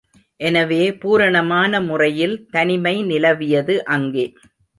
எனவே பூரணமான முறையில் தனிமை நிலவியது அங்கே.